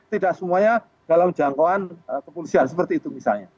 tidak semuanya dalam jangkauan kepolisian seperti itu misalnya